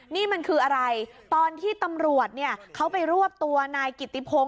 นี่มันคืออะไรตอนที่ตำรวจเขาไปรวบตัวนายกิติพงศ